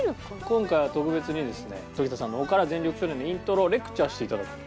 今回は特別にですね常田さんの方から『全力少年』のイントロをレクチャーして頂く。